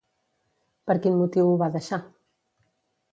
Per quin motiu ho va deixar?